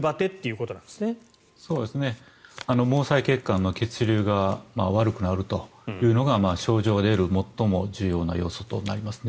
毛細血管の血流が悪くなるというのが症状が出る最も重要な要素となりますね。